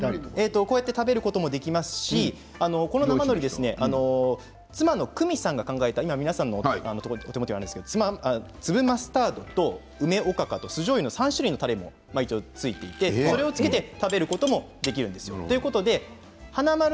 こうやって食べることもできますし、この生のりは妻の久美さんが考えた粒マスタードと梅おかかと、酢じょうゆの３種類のたれがついていてそれをつけて食べることもできるんですよ。